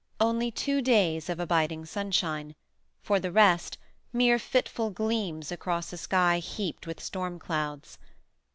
Only two days of abiding sunshine; for the rest, mere fitful gleams across a sky heaped with stormclouds.